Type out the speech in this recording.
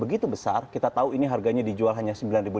begitu besar kita tahu ini harganya dijual hanya sembilan lima ratus